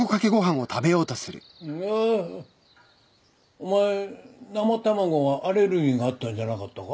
お前生卵はアレルギーがあったんじゃなかったか？